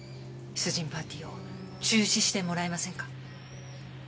出陣パーティーを中止してもらえませんか？